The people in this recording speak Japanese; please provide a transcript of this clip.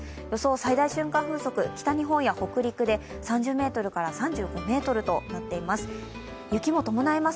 最大瞬間風速、北日本や北陸で３０メートルから３５メートルになっています。